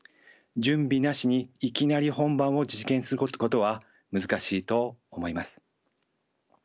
準備なしにいきなり本番を実現することは難しいと思います。